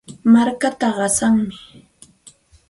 Markaata qasanmi.